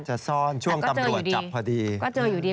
ช่วงตำรวจจับพอดี